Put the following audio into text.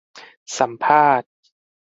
สัมภาษณ์